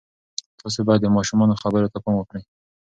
تاسې باید د ماشومانو خبرو ته پام وکړئ.